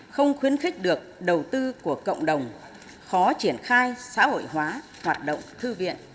không khuyến khích được đầu tư của cộng đồng khó triển khai xã hội hóa hoạt động thư viện